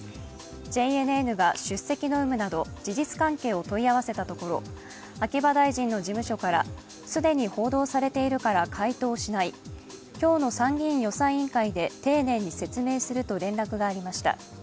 ＪＮＮが出席の有無など事実関係を問い合わせたところ、秋葉大臣の事務所から既に報道されているから回答しない、今日の参議院予算委員会で丁寧に説明すると連絡がありました。